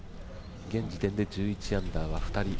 現時点で１１アンダーは２人。